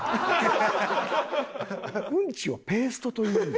うんちをペーストと言うんだ。